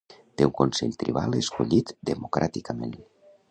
Té un consell tribal escollit democràticament.